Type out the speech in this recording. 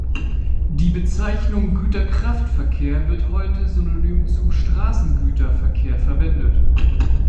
Die Bezeichnung „Güterkraftverkehr“ wird heute synonym zu „Straßengüterverkehr“ verwendet.